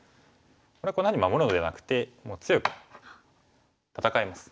これはこんなふうに守るのではなくてもう強く戦います。